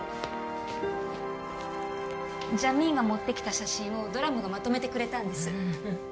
ジャミーンが持ってきた写真をドラムがまとめてくれたんですへえ